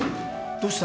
どうした？